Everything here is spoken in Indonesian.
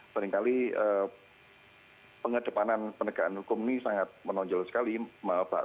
seringkali pengedepanan penegakan hukum ini sangat menonjol sekali maaf pak